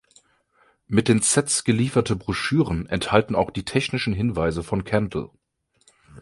Mit den Sets gelieferte Broschüren enthalten auch die Technischen Hinweise von Kendall.